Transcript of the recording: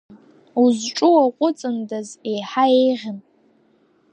Узҿу уаҟәыҵындаз, еиҳа еиӷьын.